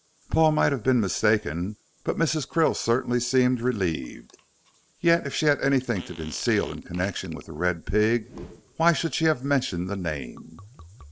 Paul might have been mistaken, but Mrs. Krill certainly seemed relieved. Yet if she had anything to conceal in connection with "The Red Pig," why should she have mentioned the name.